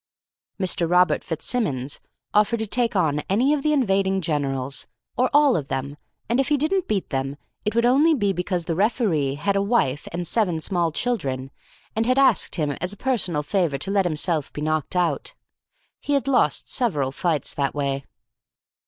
Mr. Robert FitzSimmons offered to take on any of the invading generals, or all of them, and if he didn't beat them it would only be because the referee had a wife and seven small children and had asked him as a personal favour to let himself be knocked out. He had lost several fights that way.